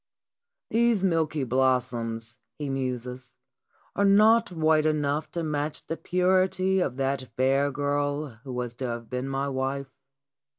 " These milky blossoms," he muses, "are not white enough to match the purity of that fair girl who was to have been my wife.